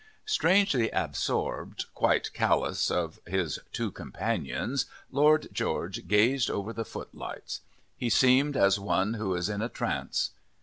Strangely absorbed, quite callous of his two companions, Lord George gazed over the footlights. He seemed as one who is in a trance.